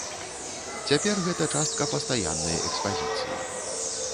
Цяпер гэта частка пастаяннай экспазіцыі.